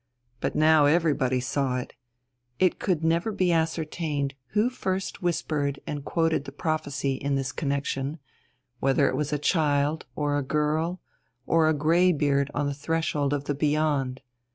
But now everybody saw it. It could never be ascertained who first whispered and quoted the prophecy in this connexion whether it was a child, or a girl, or a greybeard on the threshold of the beyond.